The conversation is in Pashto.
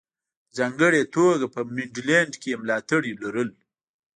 په ځانګړې توګه په منډلینډ کې یې ملاتړي لرل.